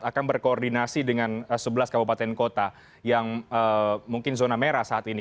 akan berkoordinasi dengan sebelas kabupaten kota yang mungkin zona merah saat ini